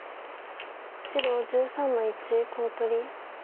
白１３の一コウ取り。